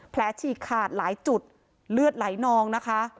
ฉีกขาดหลายจุดเลือดไหลนองนะคะ